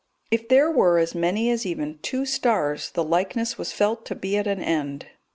If there were as many as even two stars the likeness was felt to be at an end.